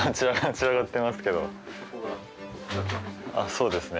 そうですね。